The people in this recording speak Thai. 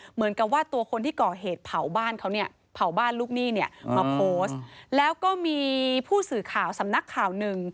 เหมือนกับว่าตัวคนที่ก่อเหตุเผาบ้านเขาเนี่ยเผาบ้านลูกหนี้เนี่ยมาโพสต์แล้วก็มีผู้สื่อข่าวสำนักข่าวหนึ่ง